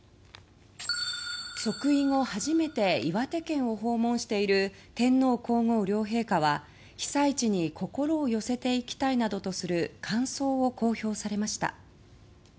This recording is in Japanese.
即位後初めて岩手県を訪問している天皇・皇后両陛下は、被災地に心を寄せていきたいなどとする感想を公表されました。